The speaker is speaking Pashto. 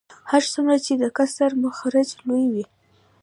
هر څومره چې د کسر مخرج لوی وي